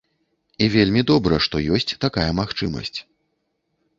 І вельмі добра, што ёсць такая магчымасць.